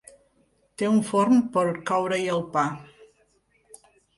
Té un forn per coure-hi el pa.